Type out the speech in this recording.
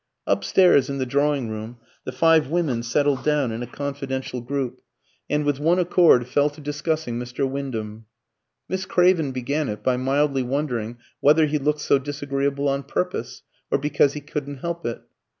Upstairs in the drawing room the five women settled down in a confidential group, and with one accord fell to discussing Mr. Wyndham. Miss Craven began it by mildly wondering whether he "looked so disagreeable on purpose, or because he couldn't help it."